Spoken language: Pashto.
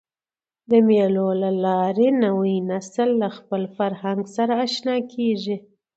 د مېلو له لاري نوی نسل له خپل فرهنګ سره اشنا کېږي.